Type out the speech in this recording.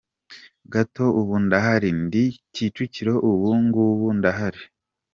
gato ! Ubu ndahari, ndi Kicukiro ubu ngubu, ndahari".